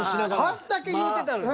あんだけ言うてたのに。